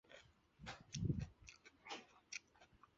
现为华盛顿大学荣誉退休教授。